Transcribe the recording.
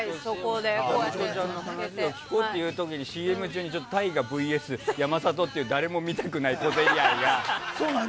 ミトちゃんの話を聞こうという時にＣＭ中にＴＡＩＧＡＶＳ山里っていう誰も見たくない小競り合いが。